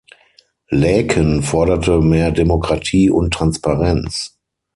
Laeken forderte mehr Demokratie und Transparenz.